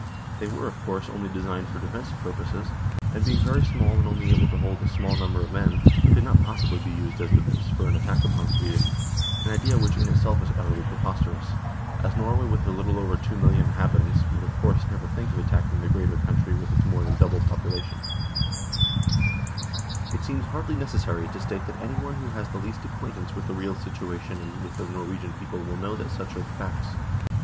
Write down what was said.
They were, of course, only designed for defensive purposes, and being very small and only able to hold a small number of men, could not possibly be used as the base for an attack upon Sweden, an idea which in itself is utterly preposterous, as Norway with her little over two million inhabitants would, of course, never think of attacking the greater country with its more than double population. THE DISSOLUTION OF THE UNION 147 It seems hardly necessary to state that anyone who has the least acquaintance with the real situation and with the Norwegian people will know that such are the facts.